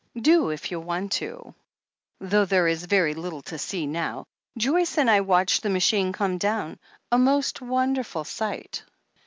"Do, if you want to, though there is very little to see now. Joyce and I watched the machine come down — ^a most wonderful sight."